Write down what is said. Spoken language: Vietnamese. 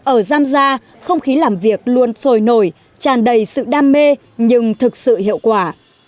ở giamgia không khí làm việc luôn sồi nổi tràn đầy sự đam mê nhưng thực sự hiệu quả